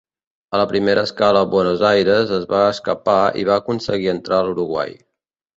A la primera escala a Buenos Aires es va escapar i va aconseguir entrar a l'Uruguai.